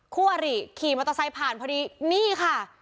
คู่อริขี่มอเตอร์ไซค์ผ่านพอดีนี่ค่ะ